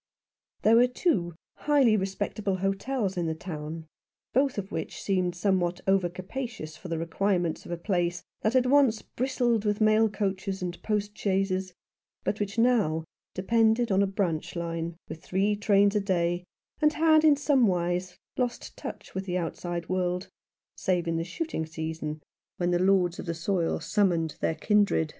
There were two highly respectable hotels in the town, both of which seemed somewhat over capacious for the requirements of a place that had once bristled with mail coaches and post chaises, but which now depended on a branch line, with three trains a day, and had in somewise lost touch with the outside world, save in the shooting season, when the lords of the soil summoned their kindred 62 Some One who loved Him.